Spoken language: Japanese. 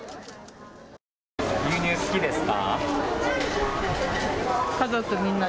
牛乳、好きですか。